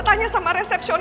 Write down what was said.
takutnya serius loh